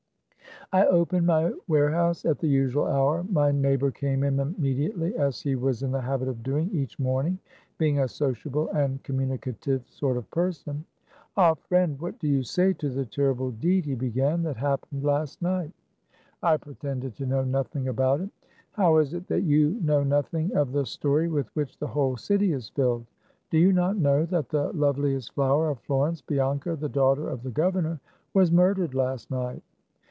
I opened my warehouse at the usual hour. My neighbor came in immediately, as he was in 144 THE CAB AVAN. the habit of doing each morning, being a sociable and communicative sort of person. "Ah, friend, what do you say to the terrible deed,' 5 he began, " that happened last night ?" I pretended to know nothing about it. " How is it that you know nothing of the story with which the whole city is filled ? Do you not know that the loveliest flower of Flor ence, Bianca, the daughter of the governor, was murdered last night